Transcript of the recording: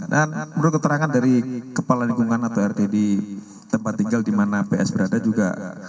dan menurut keterangan dari kepala lingkungan atau rd di tempat tinggal di mana ps berada juga